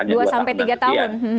dua sampai tiga tahun